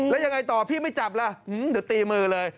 แล้วยังไงต่อพี่ไม่จับล่ะเดี๋ยวตีมือเลย